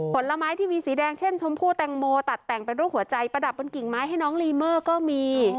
ผลไม้ที่มีสีแดงเช่นชมพู่แตงโมตัดแต่งเป็นรูปหัวใจประดับบนกิ่งไม้ให้น้องลีเมอร์ก็มี